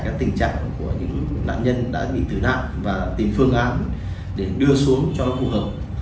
tình trạng của những nạn nhân đã bị tử nạn và tìm phương án để đưa xuống cho phù hợp